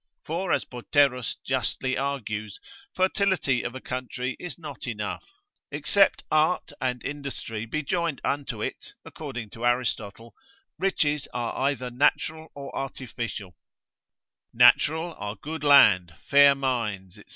For as Boterus justly argues, fertility of a country is not enough, except art and industry be joined unto it, according to Aristotle, riches are either natural or artificial; natural are good land, fair mines, &c.